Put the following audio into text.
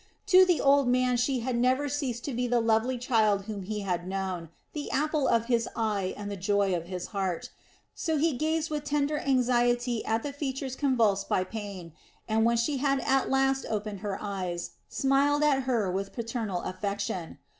To the old man she had never ceased to be the lovely child whom he had known, the apple of his eye and the joy of his heart. So he gazed with tender anxiety at the features convulsed by pain and, when she at last opened her eyes, smiled at her with paternal affection.